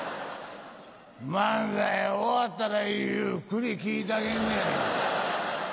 漫才終わったらゆっくり聞いてあげんねや。